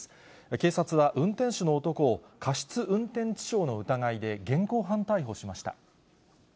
警察は運転手の男を過失運転致傷の疑いで現行犯逮捕しました。